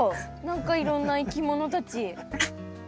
何かいろんないきものたち。